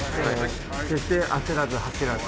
そして焦らず走らず。